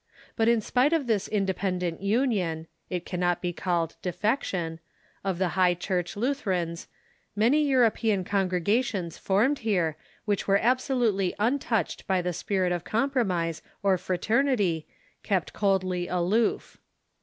But in spite of this indepen dent union — it cannot be called defection — of the Iligh Church Lutherans, many European congregations formed here, Avhich were absolutely untouched by the spirit of compromise or fra ternity, kept coldly aloof.